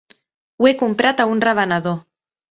Ho he comprat a un revenedor.